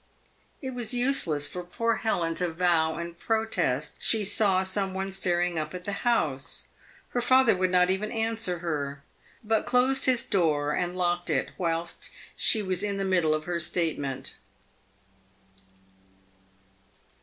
It was useless for poor Helen to vow and protest she saw some one staring up at the house. Her father would not even answer her, but closed his door and locked it whilst she was in the middle of her statement.